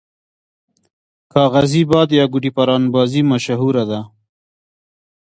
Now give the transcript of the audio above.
کاغذی باد یا ګوډی پران بازی مشهوره ده.